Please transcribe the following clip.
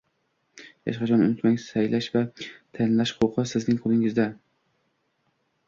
Hech qachon unutmang, saylash va tanlash huquqi – Sizning qo‘lingizda.